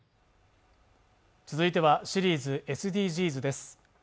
続いてはシリーズ「ＳＤＧｓ」です。